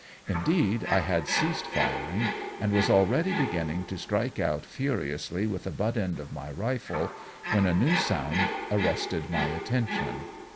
Indeed I had ceased firing, and was already beginning to strike out furiously with the butt end of my rifle, when a new sound arrested my attention.